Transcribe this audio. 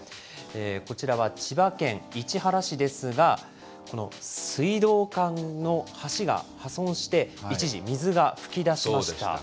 こちらは千葉県市原市ですが、この水道管の橋が破損して、一時、水が噴き出しました。